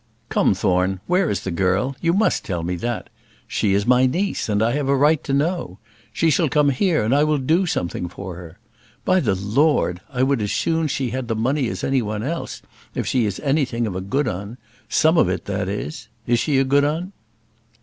"Come, Thorne, where is the girl? You must tell me that. She is my niece, and I have a right to know. She shall come here, and I will do something for her. By the Lord! I would as soon she had the money as any one else, if she is anything of a good 'un; some of it, that is. Is she a good 'un?"